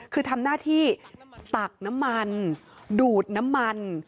คือทำหน้าที่ตักน้ำมันดูดน้ำมัน